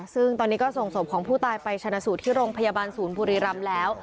ซึ่งตอนนี้ก็ส่งศพของผู้ตายไปชนะสูตรที่โรงพยาบาลศูนย์บุรีรำแล้ว